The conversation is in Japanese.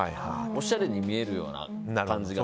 おしゃれに見えるような感じ。